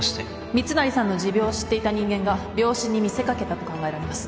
密成さんの持病を知っていた人間が病死に見せかけたと考えられます